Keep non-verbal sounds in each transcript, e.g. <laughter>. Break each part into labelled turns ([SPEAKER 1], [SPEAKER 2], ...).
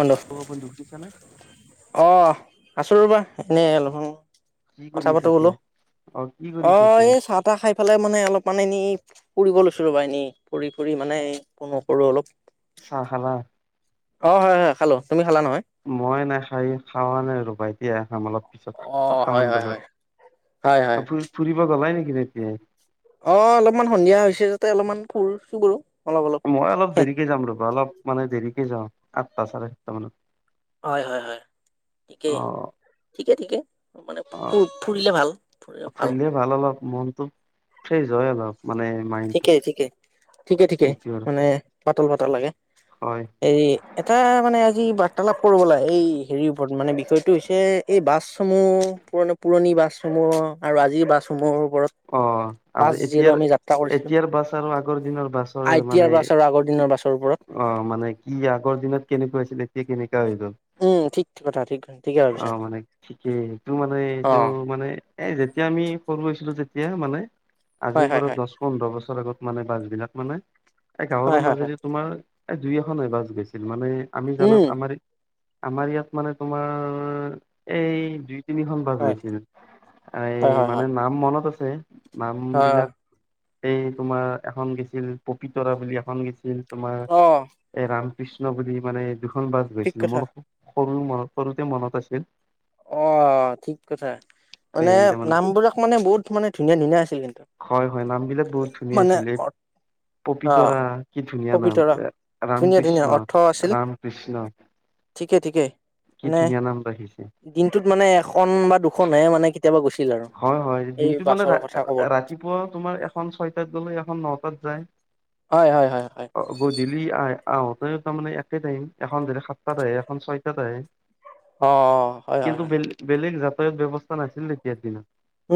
[SPEAKER 1] বন্ধু
[SPEAKER 2] অ'পন দুখনি চ নাই
[SPEAKER 1] অ আছো ৰবা এনে অল
[SPEAKER 2] কি কৰি
[SPEAKER 1] কথা
[SPEAKER 2] আছা
[SPEAKER 1] পাতো বলো
[SPEAKER 2] এতিয়া? অ' কি
[SPEAKER 1] অ
[SPEAKER 2] কৰিছা এতিয়া?
[SPEAKER 1] এই চাহ তাহ খাই পেলাই মানে অলপমান এনে ই ফুৰিব লৈছিলো বা এনেই ফুৰি ফুৰি মানে ফ নকৰো অলপ
[SPEAKER 2] চাহ খালা
[SPEAKER 1] অ হয় হয় খালো তুমি খালা নহয়?
[SPEAKER 2] মই নাখাই খাৱ নাই আৰু বা এতিয়া কাম অলপ পিছত
[SPEAKER 1] অ'
[SPEAKER 2] সাতট
[SPEAKER 1] হয়
[SPEAKER 2] মান
[SPEAKER 1] হয় হয় হয় হয়।
[SPEAKER 2] বজাত ফু ফুৰিব গলাই নেকি কিতি
[SPEAKER 1] অ অলপমান সন্ধিয়া হৈছে যাতে অলপমান ফুৰ চুৰ কৰো
[SPEAKER 2] মই অলপ দেৰিকে যাম ৰবা অলপ মানে দেৰি থাকি যাওঁ আঠটা চাৰে সাতটা মানত
[SPEAKER 1] হয় হয় হয় ঠিকেই
[SPEAKER 2] অ'
[SPEAKER 1] ঠিকে ঠিকে মানে ফুৰিলে ভাল ফুৰি ভাল
[SPEAKER 2] মনতটো ফ্ৰেছ হয় আলপ
[SPEAKER 1] ঠিকে ঠিকে ঠিকে ঠিকে
[SPEAKER 2] এইটো আৰু
[SPEAKER 1] মানে পাতল পাতল লাগে
[SPEAKER 2] হয়।
[SPEAKER 1] হৰি এটা মানে আজি বাৰ্তালাপ কৰিব লাগে এই হেৰিৰ ওপৰত মানে সটো হৈছে এই বাছসমূহ পুৰণা পুৰণি বাছসমূহ আৰু আজিৰ বাছসমূহ
[SPEAKER 2] অ আজি এতিয়া
[SPEAKER 1] কৰিছিলো
[SPEAKER 2] এতিয়াৰ বাছ আৰু আগৰ দিনৰ বাছৰে
[SPEAKER 1] আই টি আৰ
[SPEAKER 2] মানে
[SPEAKER 1] বাছ আৰু আগৰ দিনৰ বাছৰ ওপৰত
[SPEAKER 2] অ মানে কি আগৰ দিনত কে গৈছিলে কেকিনি হৈ গল
[SPEAKER 1] উম ঠিক কথা ঠিক ঠিকে
[SPEAKER 2] অ
[SPEAKER 1] ভাবিছা
[SPEAKER 2] মানে ঠিকেই এইটো মানে
[SPEAKER 1] অ
[SPEAKER 2] এইটো মানে এ যেতিয়া আমি সৰু হৈছিলো যে এতিয়া মানে
[SPEAKER 1] হয়
[SPEAKER 2] আজিৰ
[SPEAKER 1] হয়
[SPEAKER 2] পৰা
[SPEAKER 1] হয়
[SPEAKER 2] দছ পোন্ধৰ বছৰ আগত মানে বাছবিলাক মানে এই
[SPEAKER 1] হয়
[SPEAKER 2] গাঁৱৰৰ
[SPEAKER 1] হয় হয়
[SPEAKER 2] মাজেদি তোমাৰ এই দুই এখন হে বাছ গৈছিল মানে আমি জানাত
[SPEAKER 1] উম
[SPEAKER 2] আমাৰ আমাৰ ইয়াত মানে তোমাৰ এই দুই তিনিখন বাছ
[SPEAKER 1] হয়
[SPEAKER 2] গৈছিল
[SPEAKER 1] হয় হয়
[SPEAKER 2] মানে
[SPEAKER 1] হয়
[SPEAKER 2] নাম মনত আ হে নাম
[SPEAKER 1] হয়
[SPEAKER 2] বিলাক এই তোমাৰ এখন গৈছিল পপিতৰা বুলি এখন গেছিল তোমাৰ
[SPEAKER 1] অ
[SPEAKER 2] এৰাম কৃষ্ণ বুলি মানে দুখ খন বাছ
[SPEAKER 1] ঠিক
[SPEAKER 2] গৈছিল
[SPEAKER 1] কথা
[SPEAKER 2] মোৰ সৰু মই সৰুতে মনত আছে
[SPEAKER 1] অ ঠিক কথা
[SPEAKER 2] এই
[SPEAKER 1] মানে
[SPEAKER 2] তাৰমানে
[SPEAKER 1] নামবোৰক মানে বহুত মানে ধুনীয়া ধুনীয়া আছিল কিন্তু
[SPEAKER 2] হয় হয় নামবিলাক বহুত ধুনীয়া
[SPEAKER 1] মানে
[SPEAKER 2] আছিল এই
[SPEAKER 1] অ
[SPEAKER 2] পপিতৰা কি ধুনীয়া নাম
[SPEAKER 1] পবিতৰা
[SPEAKER 2] ৰাম
[SPEAKER 1] ধুনীয়া ধুনীয়া
[SPEAKER 2] কৃষ্ণ
[SPEAKER 1] অৰ্থ আছিল
[SPEAKER 2] ৰাম কৃষ্ণ
[SPEAKER 1] ঠিকে ঠিকে
[SPEAKER 2] কি
[SPEAKER 1] মানে
[SPEAKER 2] ধুনীয়া নাম ৰাখিছে
[SPEAKER 1] দিনটোত মানে এখন বা দুখননে হে মানে কেতিয়াবা গৈছিল আৰু
[SPEAKER 2] হয় হয়
[SPEAKER 1] এই
[SPEAKER 2] দিনটো মানে
[SPEAKER 1] বাছৰ কথা ক'বল
[SPEAKER 2] ৰাতিপুৱা তোমাৰ এখন ছয়টাত গলে এখন নটাত যায়
[SPEAKER 1] হয় হয়
[SPEAKER 2] আহোঁতে তাৰমানে একে টাইম এখন ধৰি সাতটাত আহে এখন ছয়টাত আহে
[SPEAKER 1] অ হয় হয় হয়
[SPEAKER 2] তায়তৰ ব্যৱস্থা নছিলে তেতিয়া দিনত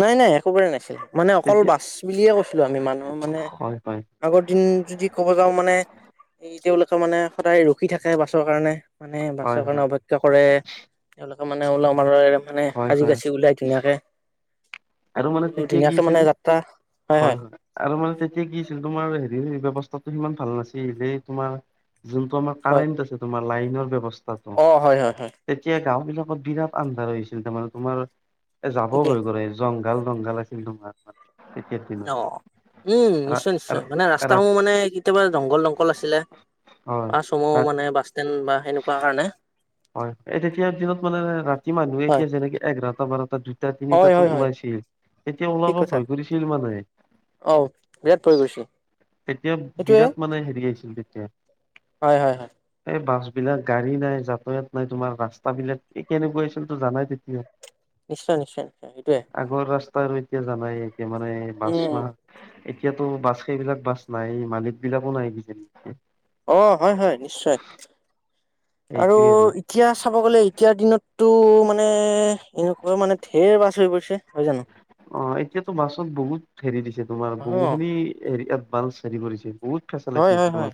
[SPEAKER 1] নাই নাই একোবাৰে নাছিল মানে অকল
[SPEAKER 2] তেতিয়া
[SPEAKER 1] বাছ বুলিয়ে কৈছিলো আমি মানুহ মানে
[SPEAKER 2] হয় হয়
[SPEAKER 1] আগৰ দিন যদি ক'ব যাওঁ মানে এই তেওঁলোকে মানে সদায় ৰখি থাকে বাছৰ কাৰণে মানে
[SPEAKER 2] হয়
[SPEAKER 1] বাছৰ কাৰণে
[SPEAKER 2] হয়
[SPEAKER 1] অৱজ্ঞা কৰে তেওঁলোক মানে ওলাম ৰে মানে
[SPEAKER 2] হয়
[SPEAKER 1] সাজি
[SPEAKER 2] হয়
[SPEAKER 1] কাচি ওলাই ধুনীয়াকে
[SPEAKER 2] আৰু মানে তেতিয়া
[SPEAKER 1] ধুনীয়াকে
[SPEAKER 2] গছিল
[SPEAKER 1] মানে যাত্ৰা
[SPEAKER 2] হয় হয় আৰু মানে তেতিয়া গছিল তোমাৰ হে এই ব্যয়ৱস্থাতটো সিমান ভাল নাছিলেই তোমাৰ যোনটো আমাৰ
[SPEAKER 1] হয়
[SPEAKER 2] কাৰেণ্ আছে তোমাৰ লাইনৰ ব্যৱস্থা
[SPEAKER 1] অ হয় হয় হয়
[SPEAKER 2] গাও বিলাকত বিৰাট আন্ধাৰ হৈছিল তাৰমানে তোমাৰ এ যাব
[SPEAKER 1] ঠিকেই
[SPEAKER 2] হৈ গৈ দংঘাল দংগাল আছিল দঙাল ম
[SPEAKER 1] অ উম
[SPEAKER 2] ৰা-
[SPEAKER 1] নিশ্চয় নিশ্চয়
[SPEAKER 2] ৰা-
[SPEAKER 1] মানে ৰাস্তাস সমূহ
[SPEAKER 2] ৰাতি
[SPEAKER 1] মানে কেতিয়াবা জংঘল দংঘল আছিলে
[SPEAKER 2] হয়
[SPEAKER 1] বাছ সমূহ
[SPEAKER 2] ৰাত-
[SPEAKER 1] মানে যেন বা সেনেকুৱা কাৰণে
[SPEAKER 2] হয় তেতিয়াাৰ দিনত মানে ৰাতি মানুহে
[SPEAKER 1] হয়।
[SPEAKER 2] এতিয়া যেনেকে এঘাৰটা বাৰটা দুইটা
[SPEAKER 1] হয় হয়
[SPEAKER 2] তিনিটাাতো
[SPEAKER 1] হয়
[SPEAKER 2] ওলাইছিল এতিয়া
[SPEAKER 1] ঠিক
[SPEAKER 2] ওলাব
[SPEAKER 1] কথা।
[SPEAKER 2] ভয় কৰিছিল মানে
[SPEAKER 1] অ বিৰাট পৰি গৈছে
[SPEAKER 2] এতিয়া
[SPEAKER 1] সেইটোয়ে
[SPEAKER 2] বিৰাট মানে হেৰি আহছিল তেতিয়া
[SPEAKER 1] হয় হয় হয়
[SPEAKER 2] এই বাছ এই বিলাক গাড়ী নাই যাত ত ইয়াত নাই তোমাৰ ৰাস্তা বিলাক এই কেনেকুৱা আছিল তো জানাই তেতিয়া
[SPEAKER 1] নিশ্চয় নিশ্চয় নিশ্চয় সেইটোয়ে।
[SPEAKER 2] আগৰ ৰাস্তা এতিয়া জানাই মানে বাচ
[SPEAKER 1] উম।
[SPEAKER 2] মাহ এতিয়াতো বাছ সেইবিলাক বাছ নাই মালিক বিলাকো নাই বিজ
[SPEAKER 1] অ হয় হয় নিশ্চয় আৰু এতিয়া চাব গ'লে এতিয়া দিনত তটো মানে এনেকুৱা মানে ঢেৰ বাছ হৈ পৰিছে হয় জানো
[SPEAKER 2] অ এতিয়াতো মাছত বহুত হেৰি দিছে তোমাৰ
[SPEAKER 1] অ
[SPEAKER 2] বহুখিনি হৰি বাল চাৰি পৰিছে
[SPEAKER 1] হয় হয় হয়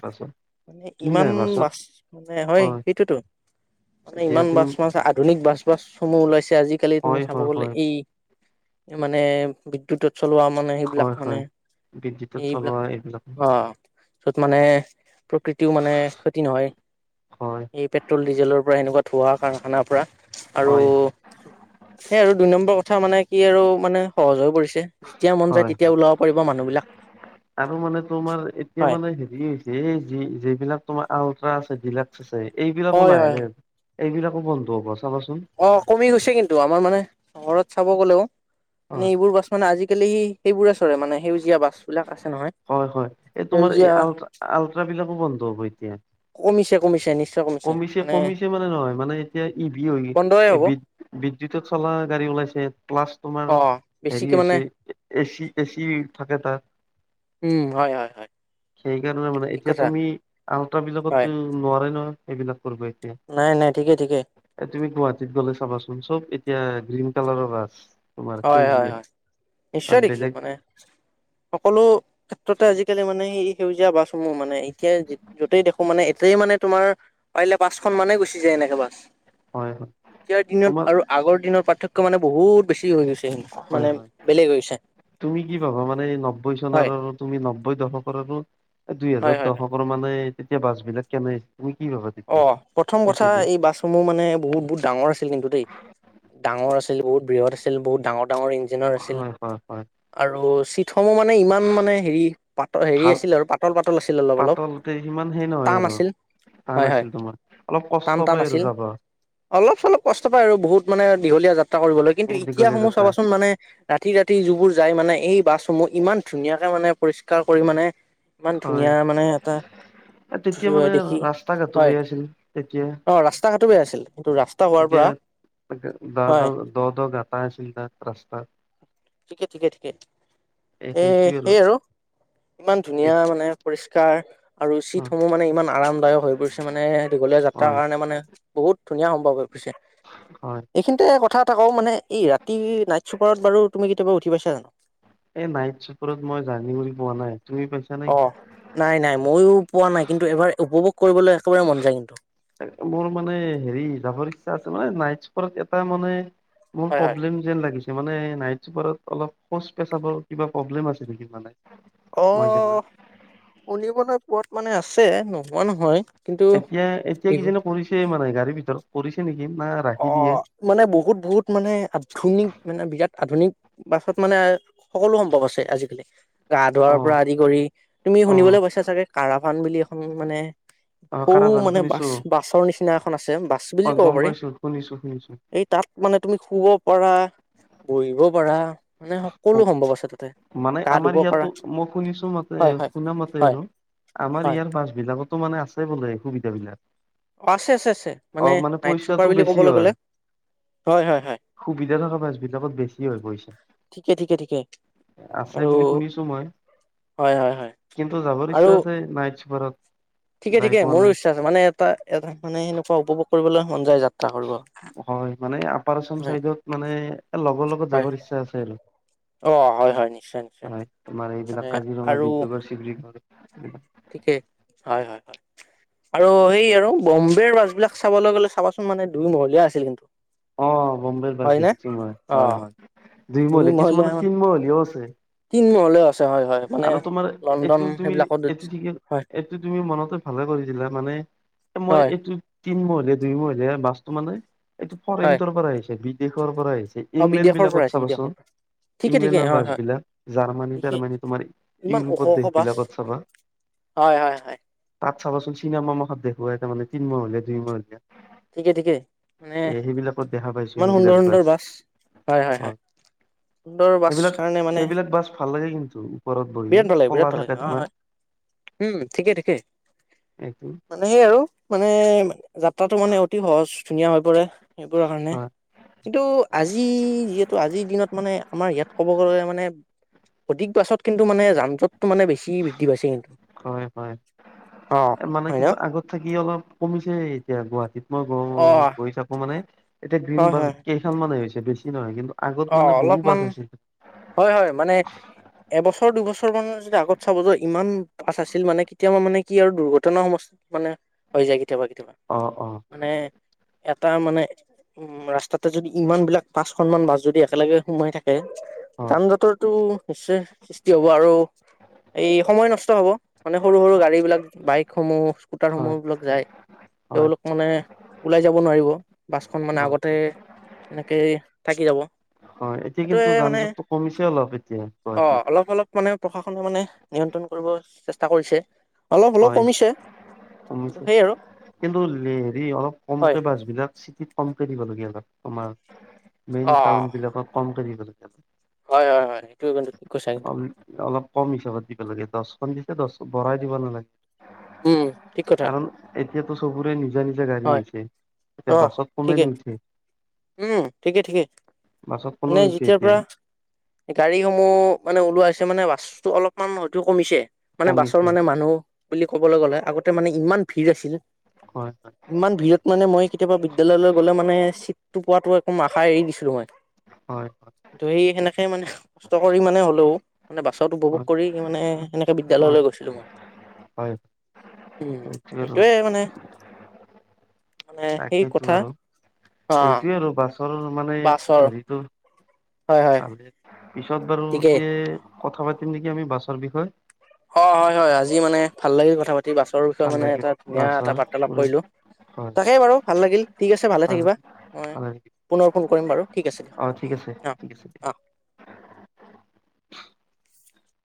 [SPEAKER 1] মানে
[SPEAKER 2] কি
[SPEAKER 1] ইমান
[SPEAKER 2] নাই বাছত
[SPEAKER 1] বাছ মানে হয় সেইটোতো মানে
[SPEAKER 2] এতিয়া
[SPEAKER 1] ইমান
[SPEAKER 2] তুমি
[SPEAKER 1] বাছ বাাছ আধুনিক বাছ বাছসমূহ ওলাইছে আজিকালি তুমি
[SPEAKER 2] হয়
[SPEAKER 1] চাব
[SPEAKER 2] হয়
[SPEAKER 1] গলে
[SPEAKER 2] হয়
[SPEAKER 1] এই মানে বিদ্যুতত চলোৱা মানে সেইবিলাক
[SPEAKER 2] হয়
[SPEAKER 1] মানে
[SPEAKER 2] হয় বিদ্যুতত
[SPEAKER 1] এইবিলাক
[SPEAKER 2] চলোৱা
[SPEAKER 1] অ য'ত মানে প্ৰকৃতিও মানে ক্ষতি নহয়
[SPEAKER 2] হয়
[SPEAKER 1] এই পেট্ৰল ডিজেলৰ পৰা এনেকুৱা ধোৱা কাৰখানাৰ পৰা আৰু
[SPEAKER 2] হয়
[SPEAKER 1] সেই আৰু দুই নম্বৰ কথা কথা মানে কি আৰু মানে সহজ হৈ পৰিছে যেতিয়া মন যায়
[SPEAKER 2] হয় হয়
[SPEAKER 1] তেতিয়া ওলাব পাৰিব মানুহ বিলাক
[SPEAKER 2] আৰু মানে তোমাৰ এতিয়া
[SPEAKER 1] হয়
[SPEAKER 2] মানে হেৰি হৈছে এই যি যিবি যিবিলাক তোমাৰ আল্ট্ৰা আছে ডিলাক্স চেচাৰি এইবিলাকো
[SPEAKER 1] হয় হয়
[SPEAKER 2] নাই এইবিলাকো বন্ধ হ'ব চাবাচোন
[SPEAKER 1] অ কমি গৈছে কিন্তু আমাৰ মানে চহৰত চাব গ'লে মানে
[SPEAKER 2] হয়
[SPEAKER 1] এইবোৰ বাচ মানে আজিকালি সেইবোৰ আছ মানে সেউজীয়া বাছ বিলাক আছে নহয়
[SPEAKER 2] হয় হয় এই তোমাৰ এই
[SPEAKER 1] সেউজীয়া
[SPEAKER 2] আলট আলট্ৰ বিলাকো বন্ধ হ'ব এতিয়া
[SPEAKER 1] কমিছে কমিছে নিশ্চয়
[SPEAKER 2] কমিছে
[SPEAKER 1] মানে
[SPEAKER 2] কমিছে মানে নহয় মানে এতিয়া ই ভি বি
[SPEAKER 1] বন্ধই
[SPEAKER 2] এই
[SPEAKER 1] হ'ব
[SPEAKER 2] বিদ বিদ্যুত চলা গাড়ীও ওলাইছে প্লাছ তোমাৰ
[SPEAKER 1] অ
[SPEAKER 2] হেৰি
[SPEAKER 1] বেছিকে মানে
[SPEAKER 2] হৈছে এচি এচি থাকে তাত
[SPEAKER 1] উম হয় হয় হয়
[SPEAKER 2] সেইকাৰণে মানে
[SPEAKER 1] ঠিক
[SPEAKER 2] এতিয়া
[SPEAKER 1] কথা
[SPEAKER 2] তুমি আলট্ৰ
[SPEAKER 1] হয়
[SPEAKER 2] বিলাকতো নোৱাৰে নহয় এইবিলাক কৰিব এতিয়া
[SPEAKER 1] নাই নাই ঠিকে ঠিকে
[SPEAKER 2] এ তুমি গুৱাহাটীৰ গলে চাবাচোন চব এতিয়া এতিয়া গ্ৰীন কালাৰৰ বাছ তোমাৰ
[SPEAKER 1] হয় হয়
[SPEAKER 2] সেউজীয়া
[SPEAKER 1] হয়
[SPEAKER 2] তাত
[SPEAKER 1] নিশ্চয় দেখিছো
[SPEAKER 2] বেলেগ
[SPEAKER 1] মানে সকলো ক্ষেত্ৰতে আজিকালি মানে ই সেউজীয়া বাছসমূহ মানে এতিয়া যতেই দেখো মানে এতেই মানে তোমাৰে বাচখন মানে গুচি যায় এনেকে বাছ
[SPEAKER 2] হয় হয়
[SPEAKER 1] এতিয়াৰ দিনত
[SPEAKER 2] তোমাৰ
[SPEAKER 1] আৰু আগৰ দিনত পা তাতকৈ মানে বহুত বেছি হৈ গৈছে
[SPEAKER 2] হয়
[SPEAKER 1] মানে
[SPEAKER 2] হয়
[SPEAKER 1] বেলেগ হৈছে।
[SPEAKER 2] তুমি কি পাবা মানে নব্বৈ চনৰ
[SPEAKER 1] হয়
[SPEAKER 2] আৰু তুমি নব্বৈ দশকৰ আৰু এ দুই
[SPEAKER 1] হয়
[SPEAKER 2] হেজাৰ
[SPEAKER 1] হয় হয়
[SPEAKER 2] দশকৰ মানে তেতিয়া বাছবিলাক কেনে তুমি কি ভাবা
[SPEAKER 1] অ
[SPEAKER 2] তেতিয়া
[SPEAKER 1] প্ৰথম কথা
[SPEAKER 2] তেতিয়া যে
[SPEAKER 1] এই বাছসমূহ মানে বহুত বহুত ডাঙৰ আছিল কিন্তু দেই ডাঙৰ আছিল বহুত বৃহৎ আছিল বহুত ডাঙৰ ডাঙৰ ইঞ্জিনিয়াৰ আছিল
[SPEAKER 2] হয় হয় হয়
[SPEAKER 1] আৰু থমো মানে ইমান মানে হেৰি পাত হেৰি
[SPEAKER 2] ভাল
[SPEAKER 1] আছিল আৰু পাতল পাতল আছিল অলপ অলপ
[SPEAKER 2] পাতলতে সিমান সেই নহয়
[SPEAKER 1] টান
[SPEAKER 2] আৰু
[SPEAKER 1] আছিল
[SPEAKER 2] টান
[SPEAKER 1] হয় হয়
[SPEAKER 2] আছিল তোমাৰ অলপ কষ্ট
[SPEAKER 1] টান টান
[SPEAKER 2] পায় আৰু
[SPEAKER 1] আছিল
[SPEAKER 2] যাবা
[SPEAKER 1] অলপ চলপ কষ্ট পায় আৰু বহুত মানে দীঘলীয়া যাত্ৰা কৰিবলৈ কিন্তু
[SPEAKER 2] অলপ
[SPEAKER 1] এতিয়া
[SPEAKER 2] দীঘলীয়া
[SPEAKER 1] সমূহ
[SPEAKER 2] যাত্ৰা
[SPEAKER 1] চাবাচোন মানে ৰাতি ৰাতি যিবোৰ যায় মানে এই বাছসমূহ ইমান ধুনীয়াকে মানে পৰিষ্কাৰ কৰি মানে ইমান
[SPEAKER 2] হয়
[SPEAKER 1] ধুনীয়া মানে এটা
[SPEAKER 2] এ তেতিয়া মানে
[SPEAKER 1] দেখি
[SPEAKER 2] ৰাস্তা ঘাটো
[SPEAKER 1] হয়
[SPEAKER 2] বেয়া আছিল তেতিয়া
[SPEAKER 1] অঁ ৰাস্তা ঘাটো বেয়া আছিল <unintelligible>
[SPEAKER 2] তেতিয়া
[SPEAKER 1] হয়
[SPEAKER 2] দ দ গাটা আছিল তাত ৰাস্তাত
[SPEAKER 1] ঠিকে ঠিকে ঠিকে এই সেই আৰু ইমান
[SPEAKER 2] এ
[SPEAKER 1] ধুনীয়া মানে পৰিষ্কাৰ <unintelligible> আৰু
[SPEAKER 2] অ
[SPEAKER 1] চিটসমূহ মানে ইমান আৰামদায়ক হৈ পৰিছে মানে দীঘলীয়া যাত্ৰাৰ
[SPEAKER 2] হয়
[SPEAKER 1] কাৰণে মানে বহুত ধুনীয়া সম্ভৱ হৈ পৰিছে
[SPEAKER 2] হয়
[SPEAKER 1] এইখিনিতে কথা এটা কওঁ মানে এই ৰাতি নাইট ছুপাৰত বাৰু তুমি কেতিয়া উঠি পাইছান নাই
[SPEAKER 2] এই নাইট চুপাৰত মই জাৰ্ণি বুলি পোৱা নাই তুমি পাইছা নে?
[SPEAKER 1] অ' নাই নাই ময়ো পোৱা নাই কিন্তু এবাৰ উপভোক
[SPEAKER 2] মোৰ মানে হেৰি যাবৰ ইচ্ছা আছে নহয় নাইটচু ওপৰত এটা মানে মোৰ
[SPEAKER 1] হয় হয়
[SPEAKER 2] প্ৰব্লেম যেন লাগিছে মানে নাইট চুপাৰত অলপ শৌচ পেচাবৰ কিবা প্ৰব্লেম আছে নেকি মানে মই জনাত
[SPEAKER 1] অ' শুনিবলে পোৱাত মানে আছে নোহোৱা নহয় কিন্তু
[SPEAKER 2] এতিয়া এতিয়া
[SPEAKER 1] দীঘ
[SPEAKER 2] কিজানি কৰিছে মানে গাড়ীৰ ভিতৰত কৰিছে নেকি না ৰাখি দিয়ে
[SPEAKER 1] অ' মানে বহুত বহুত মানে আধুনিক মানে বিৰাট আধুনিক বাছত মানে সকলো সম্ভৱ আছে আজিকালি গা ধুৱাৰ
[SPEAKER 2] অ
[SPEAKER 1] পৰা আদি কৰি তুমি
[SPEAKER 2] অ
[SPEAKER 1] শুনিবলৈ পাইছা চাগে কাৰাপ বান বুলি এসময়ত মানে
[SPEAKER 2] অ
[SPEAKER 1] সৰু
[SPEAKER 2] কাৰাবান
[SPEAKER 1] মানে
[SPEAKER 2] শুনিছো
[SPEAKER 1] বাছ বাছৰ নিচিনা এখন আছে বা
[SPEAKER 2] অ
[SPEAKER 1] বুলি ক'ব
[SPEAKER 2] গম
[SPEAKER 1] পাৰি
[SPEAKER 2] পাইছো শুনিছো শুনিছো
[SPEAKER 1] এই তাত মানে তুমি শুব শুব পৰা বহিব পাৰা মানে সকলো সম্ভৱ আছে তাতে
[SPEAKER 2] মানে
[SPEAKER 1] গা
[SPEAKER 2] আমাৰ
[SPEAKER 1] ধুব পাৰা
[SPEAKER 2] ইয়াতো মই শুনিছো মাতে
[SPEAKER 1] হয় হয়
[SPEAKER 2] শুনা মতে
[SPEAKER 1] হয়
[SPEAKER 2] আৰু আমাৰ
[SPEAKER 1] হয়
[SPEAKER 2] ইয়াৰ বাছ বিলাক আগতো মানে আছে বোলে সুবিধা বিলাক
[SPEAKER 1] অ' আছে আছে আছে
[SPEAKER 2] অ
[SPEAKER 1] মানে নাইট চুপাৰ
[SPEAKER 2] পইচাটো
[SPEAKER 1] বুলি
[SPEAKER 2] বেছি
[SPEAKER 1] কবলে গলে
[SPEAKER 2] হয়।
[SPEAKER 1] হয় হয়
[SPEAKER 2] সুবিধা থকা বাছ বিলাকত বেছি হয় পইচা
[SPEAKER 1] ঠিকে ঠিকে ঠিকে
[SPEAKER 2] আছে
[SPEAKER 1] আৰু
[SPEAKER 2] বুলি শুনিছো মই।
[SPEAKER 1] হয় হয় হয়
[SPEAKER 2] কিন্তু যাবৰ
[SPEAKER 1] আৰু
[SPEAKER 2] ইচ্ছা আছে নাই <unintelligible>
[SPEAKER 1] ঠিকে
[SPEAKER 2] যাই
[SPEAKER 1] ঠিকে
[SPEAKER 2] পোৱা
[SPEAKER 1] মোৰো ইচ্ছা আছে মানে এটা এটা মানে হেনেকুৱা উপভোগ কৰিবলৈ মন যায় যাত্ৰা কৰিব
[SPEAKER 2] হয় মানে আপাৰ আছাম
[SPEAKER 1] হয়
[SPEAKER 2] চাইডত মানে লগৰ লগত
[SPEAKER 1] হয়
[SPEAKER 2] যাবৰ ইচ্ছা আছে।
[SPEAKER 1] অ' হয়, হয় নিশ্চয় নিশ্চয়
[SPEAKER 2] হয় তোমাৰ
[SPEAKER 1] মানে আৰু
[SPEAKER 2] উম।
[SPEAKER 1] থিকেই। হয়, হয়, হয় আৰু সেই আৰু বম্বেৰ বাছবলাক চাবলৈ গ'লে চাবাচোন মানে দুই মহলীয়া আছিল কিন্তু।
[SPEAKER 2] অ' বম্বেৰ বাছ
[SPEAKER 1] হয় নে
[SPEAKER 2] দেখিছো মই
[SPEAKER 1] অ
[SPEAKER 2] হয়, হয় দুই মহলীয়া কিছুমানৰ তিনমহলিয়াও আছে।
[SPEAKER 1] তিনি মহলি
[SPEAKER 2] আৰু তোমাৰ এইটো তুমি
[SPEAKER 1] সেইবিলাকত
[SPEAKER 2] এইটো ঠিকে
[SPEAKER 1] হয়
[SPEAKER 2] এইটো তুমি মনতে ভালে কৰি দিলা মানে মই
[SPEAKER 1] হয়
[SPEAKER 2] এইটো তিন মহিলীয়া দুই মহিলীয়া বাছটো মানে এইটো
[SPEAKER 1] হয়
[SPEAKER 2] ফৰেনৰ পৰা আহিছে বিদেশৰ পৰা আহিছে
[SPEAKER 1] অ
[SPEAKER 2] ইংলেণ্ড
[SPEAKER 1] বিদেশৰ পৰা
[SPEAKER 2] বিলাকত
[SPEAKER 1] আহিছে বিদেশৰ
[SPEAKER 2] চাবাচোন।
[SPEAKER 1] পৰা ঠিকে ঠিকে
[SPEAKER 2] ইংলেণ্ডৰ
[SPEAKER 1] হয়
[SPEAKER 2] বাছ
[SPEAKER 1] হয়
[SPEAKER 2] বিলাক জাৰ্মানী
[SPEAKER 1] ঠিকে
[SPEAKER 2] টাৰমানী
[SPEAKER 1] ইমান ওখ ওখ বাছ! হয়, হয়, হয়।
[SPEAKER 2] চাবচোন চিনেমা মুখত দেখুৱাই মানে তিমলিয়া দুই মহলীয়া।
[SPEAKER 1] ঠিকে ঠিকে মানে
[SPEAKER 2] এ সেইবিলাকত দেখা পাইছো
[SPEAKER 1] ইমান সুন্দৰ
[SPEAKER 2] সেইবিলাক
[SPEAKER 1] সুন্দৰ বাছ হয়, হয় হয় সুন্দৰ বাছ
[SPEAKER 2] সেইবিলাক
[SPEAKER 1] কাৰণে মানে
[SPEAKER 2] সেইবিলাক বাছ ভাল লাগে কিন্তু! ওপৰত বহি
[SPEAKER 1] বিৰাট ভাল লাগে বিৰাট
[SPEAKER 2] কলা
[SPEAKER 1] ভাল লাগে
[SPEAKER 2] থাকে
[SPEAKER 1] অ
[SPEAKER 2] তোমাৰ
[SPEAKER 1] হয় উম ঠিকেই ঠিকেই
[SPEAKER 2] এইটো
[SPEAKER 1] মানে সেই আৰু মানে যাত্ৰাটো মানে অতি সহজ ধুনীয়া হৈ পৰে। সেইবোৰৰ কাৰণে
[SPEAKER 2] হয়
[SPEAKER 1] কিন্তু আজি যিহেতু আজিৰ দিনত মানে আমাৰ ইয়াত ক'ব গ'লে মানে অধিক বাছত কিন্তু মানে যান জটতটো মানে বেছি বৃদ্ধি পাইছে কিন্তু!
[SPEAKER 2] হয় হয়
[SPEAKER 1] অ
[SPEAKER 2] মানে।
[SPEAKER 1] হয় ন
[SPEAKER 2] কিন্তু আগত থাকি অলপ কমি এতিয়া গুৱাহাটীত। মই গ
[SPEAKER 1] অ
[SPEAKER 2] গৈ চাবো মানে এতিয়া গ্ৰীণ
[SPEAKER 1] হয়
[SPEAKER 2] বাছ
[SPEAKER 1] হয়
[SPEAKER 2] কেইখান মান এৰিছে বেছি নহয় কিন্তু! আগত
[SPEAKER 1] অ
[SPEAKER 2] মানে বহু বাছ
[SPEAKER 1] অলপমান
[SPEAKER 2] আছিল।
[SPEAKER 1] হয় হয় মানে এবছৰ দুবছৰ মানৰ যদি আগত চাব যে ইমান বাছ আছিল মানে কেতিয়াবা মানে কি আৰু দুৰ্ঘটনা সমস মানে হৈ যায় কেতিয়াবা কেতিয়াবা।
[SPEAKER 2] অ অ
[SPEAKER 1] মানে এটা মানে উ ৰাস্তাতে যদি ইমান বিলাক পাঁচখনমানান বাছ যদি একেলগে সোমাই থাকে
[SPEAKER 2] হয়
[SPEAKER 1] যান জতৰটো নিশ্চয় সৃষ্টি হ'ব আৰু এই সময় নষ্ট হব মানে সৰু সৰু গাড়ীবিলাক বাইকসমূহ। <inaudible> সমহ
[SPEAKER 2] হয়
[SPEAKER 1] বিলাক যায়
[SPEAKER 2] হয়
[SPEAKER 1] তেওঁলোক মানে ওলাই যাব নোৱাৰিব বাছখন মানে
[SPEAKER 2] হয়
[SPEAKER 1] আগতে এনেকে থাকি যাব
[SPEAKER 2] হয় এতিয়া
[SPEAKER 1] সেইটোৱে
[SPEAKER 2] কিন্তু যান
[SPEAKER 1] মানে
[SPEAKER 2] জঁটটো কমিছে কি অলপ এতিয়া
[SPEAKER 1] অ
[SPEAKER 2] গুৱাটী
[SPEAKER 1] অলপ অলপ মানে প্ৰশাসনে মানে নিয়ন্ত্ৰণ কৰিব চেষ্টা কৰিছে অলপ হ'লেও
[SPEAKER 2] হয়
[SPEAKER 1] কমিছে কিন্তু
[SPEAKER 2] কমিছে
[SPEAKER 1] সেই আৰু
[SPEAKER 2] কিন্তু হেৰি অলপ
[SPEAKER 1] হয়
[SPEAKER 2] কমকে বাছ বিলাক চিটিত পাম দিবলগীয়া হয় আমাৰ মেইন
[SPEAKER 1] অ
[SPEAKER 2] টাউন বিলাকক কমকে দিব লাগে
[SPEAKER 1] হয় হয় হয় সেইটো কিন্তু ঠিক কৈছা
[SPEAKER 2] অ
[SPEAKER 1] কিন্তু
[SPEAKER 2] অলপ কম হিচাপত দিব লাগে দছ কমতিকে দছ বৰাই দিব নালাগে
[SPEAKER 1] উম ঠিক কথা
[SPEAKER 2] কাৰণ এত সেইটো চবৰে নিজ নিজৰ নিজৰ গাড়ী
[SPEAKER 1] হয়
[SPEAKER 2] হৈছে
[SPEAKER 1] অ
[SPEAKER 2] এতিয়া বাছত
[SPEAKER 1] ঠিকেই
[SPEAKER 2] কোনেনো উঠে
[SPEAKER 1] উম ঠিকে ঠিকে
[SPEAKER 2] কোনো
[SPEAKER 1] মানে
[SPEAKER 2] নুঠে
[SPEAKER 1] যেতিয়াৰ
[SPEAKER 2] এতিয়া
[SPEAKER 1] পৰা গাড়ীসমূহ মানে ওলোৱাছে মানে বাছ ব অলপমান হয়তো কমিছে মানে বাছৰ
[SPEAKER 2] কমিছে
[SPEAKER 1] মানে মানুহ বুলি ক'বলৈ গ'লে আগতে মানে ইমান ভিৰ আছিল
[SPEAKER 2] হয়
[SPEAKER 1] ইমান ভিৰত মানে মই কেতিয়াবা বিদ্যালয়লৈ গ'লে মানে চিট পোৱাটো একম আশা এৰি দিছিলোঁ মই
[SPEAKER 2] হয় হয়
[SPEAKER 1] ধেই সেনেকে মানে কষ্ট কৰি মানে হলেও মানে বাছত উপভোগ
[SPEAKER 2] হয়
[SPEAKER 1] কৰি মানে সেনেকে
[SPEAKER 2] হয়
[SPEAKER 1] বিদ্যালয়লৈ গৈছিলো মই
[SPEAKER 2] হয় হয়
[SPEAKER 1] উম
[SPEAKER 2] সেইটোৱে আৰু
[SPEAKER 1] সেইটোয়ে মানে মানে সেই কথা
[SPEAKER 2] এতিয়া ৰবা চৰ মানে
[SPEAKER 1] বাছৰ
[SPEAKER 2] হেৰিটো
[SPEAKER 1] হয় হয়
[SPEAKER 2] পালে পিছত বাৰু
[SPEAKER 1] ঠিকেই
[SPEAKER 2] এতিএ কথা পাতিম নেকি আমি বাছৰ বিষয়ে
[SPEAKER 1] অ হয় হয় আজি মানে ভাল লাগিল কথা পাতি তে বাছৰ বিষয়ে
[SPEAKER 2] ভাল
[SPEAKER 1] মানে
[SPEAKER 2] লাগিল
[SPEAKER 1] এটা ধুনীয়া এটা
[SPEAKER 2] বাছৰ
[SPEAKER 1] বাৰ্তালাপ
[SPEAKER 2] হয়
[SPEAKER 1] কৰিলো
[SPEAKER 2] ভাল
[SPEAKER 1] তাকেই বাৰু ভাল লাগিল ঠিক আছে ভালে
[SPEAKER 2] ভাল
[SPEAKER 1] থাকিবা উম
[SPEAKER 2] লাগিল
[SPEAKER 1] পুনৰ ফোন কৰিম বাৰু ঠিক আছে দিয়ক
[SPEAKER 2] অ ঠিক আছে ঠিক আছে
[SPEAKER 1] অ অ